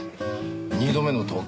２度目の東京。